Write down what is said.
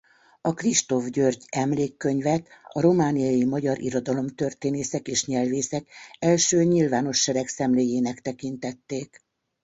A Kristóf György Emlékkönyvet a romániai magyar irodalomtörténészek és nyelvészek első nyilvános seregszemléjének tekintették.